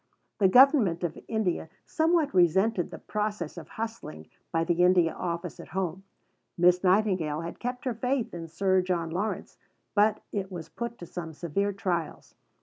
The Government of India somewhat resented the process of hustling by the India Office at home. Miss Nightingale had kept her faith in Sir John Lawrence, but it was put to some severe trials.